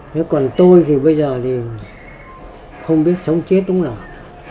nếu còn tôi thì bây giờ thì không biết sống chết đúng không nào